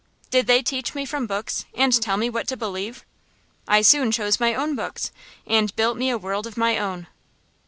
Did they teach me from books, and tell me what to believe? I soon chose my own books, and built me a world of my own.